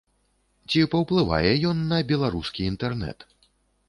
Ці паўплывае ён на беларускі інтэрнэт?